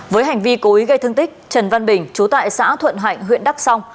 với hành vi cố ý gây thương tích trần văn bình chú tại xã thuận hạnh huyện đắk song